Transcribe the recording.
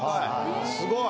すごい。